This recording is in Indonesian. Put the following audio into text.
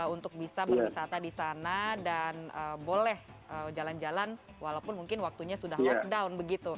untuk bisa berwisata di sana dan boleh jalan jalan walaupun mungkin waktunya sudah lockdown begitu